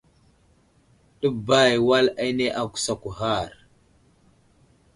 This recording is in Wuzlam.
Ɗəbay wal ane agusakw ghar.